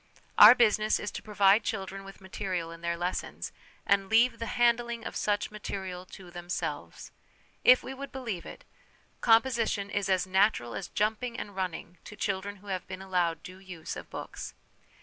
Our business is to provide children with material in their lessons, and, leave the handling of such material to themselves. If we would believe it, composition is as natural as jumping and running to children who have been allowed due use of books.